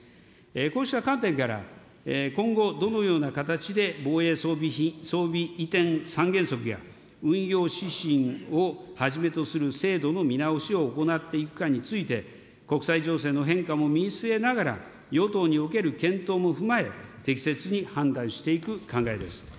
こうした観点から、今後、どのような形で防衛装備移転三原則や、運用指針をはじめとする制度の見直しを行っていくかについて、国際情勢の変化も見据えながら、与党における検討も踏まえ、適切に判断していく考えです。